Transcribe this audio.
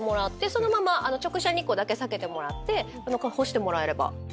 そのまま直射日光だけ避けてもらって干してもらえれば。